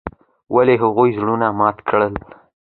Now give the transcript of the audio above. ولې هغوي زړونه مات کړل.